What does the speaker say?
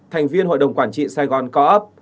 thành viên hội đồng quản trị sài gòn co op